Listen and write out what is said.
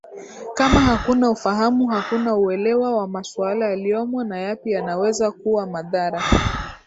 kama hakuna ufahamu hakuna uelewa wa masuala yaliyomo na yapi yanaweza kuwa madhara